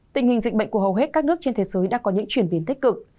tình hình dịch bệnh của hầu hết các nước trên thế giới đã có những chuyển biến tích cực